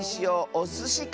おすしか！